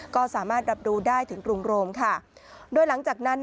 ก็สามารถรับรู้ได้ถึงกรุงโรมค่ะโดยหลังจากนั้น